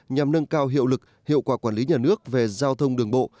nhằm nâng cao hiệu lực hiệu quả quản lý nhà nước về giao thông đường bộ